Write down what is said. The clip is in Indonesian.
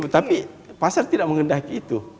tapi pasar tidak mengendaki itu